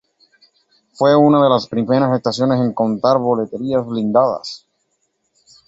Fue una de las primeras estaciones en contar boleterías blindadas.